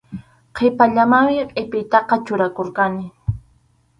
Qhipallamanmi qʼipiytaqa churakurqani.